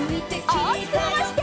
おおきくまわして。